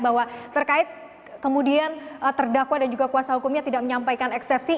bahwa terkait kemudian terdakwa dan juga kuasa hukumnya tidak menyampaikan eksepsi